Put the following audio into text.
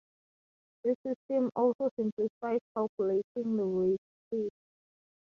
This system also simplifies calculating the weight paper.